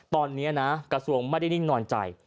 ตอนนี้นะกระทรวงไม่ได้นิ่งนอนใจ